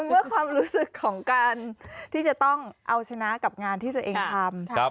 เพื่อความรู้สึกของการที่จะต้องเอาชนะกับงานที่ตัวเองทำ